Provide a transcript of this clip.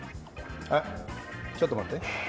あっちょっとまって。